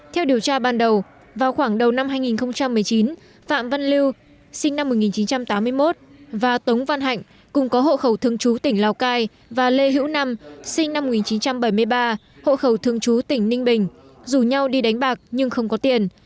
theo điều tra ban đầu vào khoảng đầu năm hai nghìn một mươi chín phạm văn lưu sinh năm một nghìn chín trăm tám mươi một và tống văn hạnh cùng có hộ khẩu thương chú tỉnh lào cai và lê hữu năm sinh năm một nghìn chín trăm bảy mươi ba hộ khẩu thương chú tỉnh ninh bình rủ nhau đi đánh bạc nhưng không có tiền